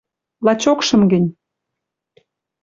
лачокшым гӹнь